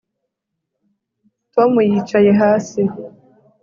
Tom yicaye hasi